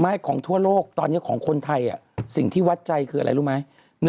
ของทั่วโลกตอนนี้ของคนไทยสิ่งที่วัดใจคืออะไรรู้ไหม